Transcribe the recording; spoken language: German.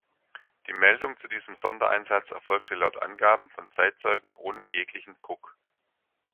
Die Meldung zu diesem Sondereinsatz erfolgte laut Angaben von Zeitzeugen ohne jeglichen Druck.